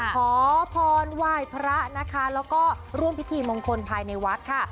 ขอพรไหว้พระนะคะแล้วก็ร่วมพิธีมงคลภายในวัดค่ะ